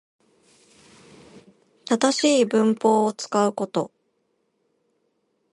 正しい文法を使うこと